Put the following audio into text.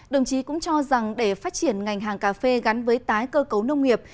đồng chí cũng cho rằng để phát triển ngành hàng cà phê gắn với tái cơ cấu nông nghiệp